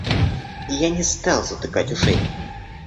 Я не стал затыкать ушей.